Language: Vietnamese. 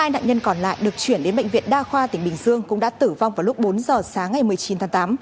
một mươi nạn nhân còn lại được chuyển đến bệnh viện đa khoa tỉnh bình dương cũng đã tử vong vào lúc bốn giờ sáng ngày một mươi chín tháng tám